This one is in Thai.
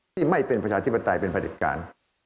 ไม่เป็นประชาธิปไตยเป็นประเด็จการ